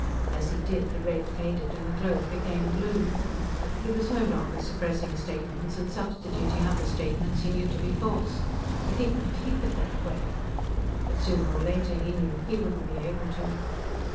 As he did, the red faded and the globe became blue. He was no longer suppressing statements and substituting other statements he knew to be false. If he could keep it that way. But, sooner or later, he knew, he wouldn't be able to.